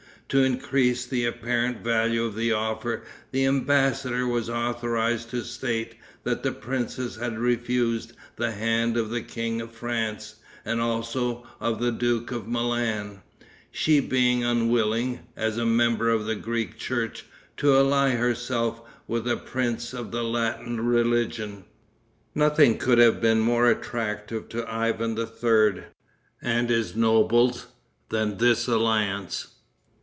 To increase the apparent value of the offer, the embassador was authorized to state that the princess had refused the hand of the King of France, and also of the Duke of Milan, she being unwilling, as a member of the Greek church, to ally herself with a prince of the Latin religion. Nothing could have been more attractive to Ivan III., and his nobles, than this alliance.